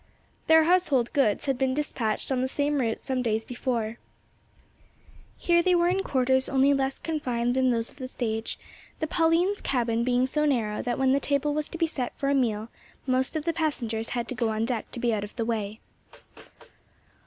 Their household goods had been dispatched on the same route some days before. Here they were in quarters only less confined than those of the stage, the Pauline's cabin being so narrow that when the table was to be set for a meal, most of the passengers had to go on deck to be out of the way.